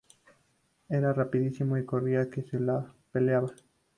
Era rapidísimo y corría que se las pelaba